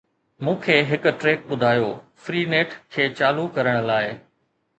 مون کي هڪ ٽريڪ ٻڌايو. FreeNet کي چالو ڪرڻ لاء